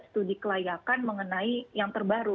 studi kelayakan mengenai yang terbaru